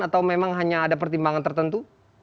atau memang hanya ada pertimbangan tertentu